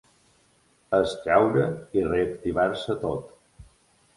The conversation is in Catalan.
És caure i reactivar-se tot.